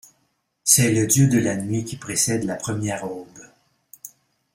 C'est le dieu de la nuit qui précède la première aube.